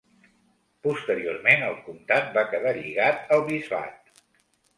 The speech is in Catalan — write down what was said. Posteriorment el comtat va quedar lligat al bisbat.